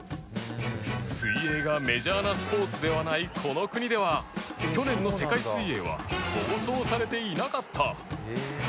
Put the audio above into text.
水泳がメジャーなスポーツではないこの国では去年の世界水泳は放送されていなかった